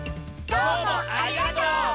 どうもありがとう！